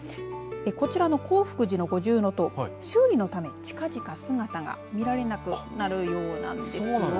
こちらの興福寺の五重塔修理のため、近々姿が見られなくなるようなんですよ。